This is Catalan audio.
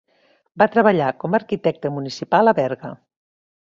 Va treballar com a arquitecte municipal a Berga.